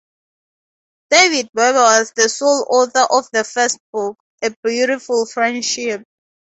David Weber was the sole author of the first book, "A Beautiful Friendship"